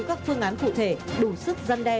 các phương án cụ thể đủ sức dăn đe